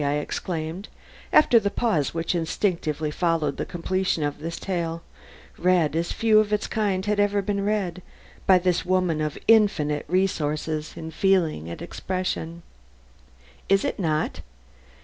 I exclaimed, after the pause which instinctively followed the completion of this tale, read as few of its kind have ever been read, by this woman of infinite resources in feeling and expression. "Is it not?